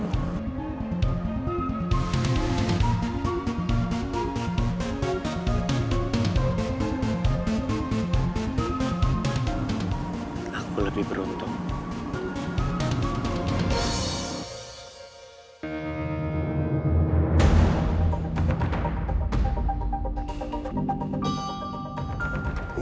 aku lebih beruntung